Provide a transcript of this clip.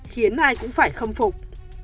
khiến ai cũng phải khâm phục